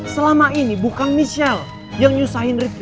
selama ini bukan michelle yang nyusahin ricky